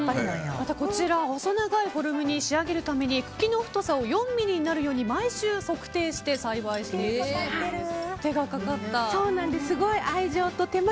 細長いフォルムに仕上げるために茎の太さを４ｍｍになるように毎週、測定して栽培しているそうです。